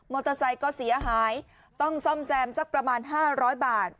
เตอร์ไซค์ก็เสียหายต้องซ่อมแซมสักประมาณ๕๐๐บาท